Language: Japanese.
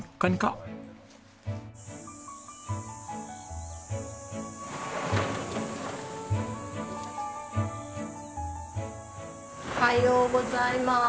おはようございまーす。